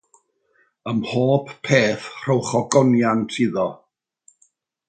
Ym mhob peth rhowch ogoniant iddo.